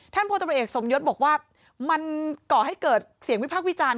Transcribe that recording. ท่านพตเอกสมยศบอกว่ามันก่อให้เกิดเสียงวิพักวิจารณ์